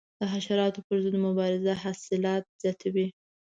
د حشراتو پر ضد مبارزه حاصلات زیاتوي.